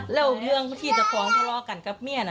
แล้วเรื่องที่จะพร้อมตลอกันกับเมียน